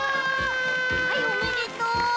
はいおめでとう！